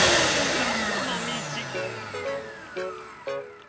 ナスのみち！